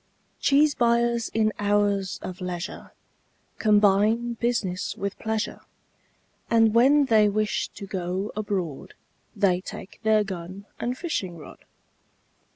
Cheese buyers in hours of leisure Combine business with pleasure, And when they wish to go abroad They take their gun and fishing rod.